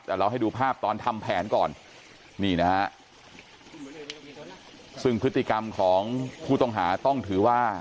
แต่เราให้ดูภาพตอนทำแผนก่อนนี่นะฮะซึ่งพฤติกรรมของผู้ต้องหาต้องถือว่า